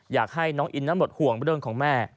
อยากให้น้องอินนั้นหมดห่วงเรื่องของแม่